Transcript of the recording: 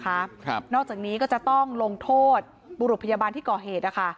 ครับนอกจากนี้ก็จะต้องลงโทษบุรุษพยาบาลที่ก่อเหตุนะคะ